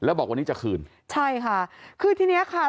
แล้วบอกวันนี้จะคืนใช่ค่ะคือทีเนี้ยค่ะ